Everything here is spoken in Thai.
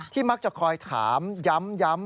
มักจะคอยถามย้ำ